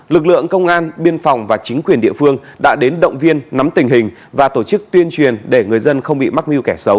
lực lượng công an biên phòng và chính quyền địa phương đã đến động viên nắm tình hình và tổ chức tuyên truyền để người dân không bị mắc mưu kẻ xấu